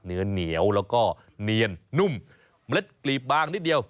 เนื้อเหนียวแล้วก็เนียนนุ่มเมล็ดกลีบบางนิดเดียว